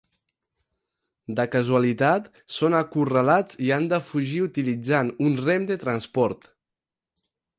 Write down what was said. De casualitat, són acorralats i han de fugir utilitzant un Rem de transport.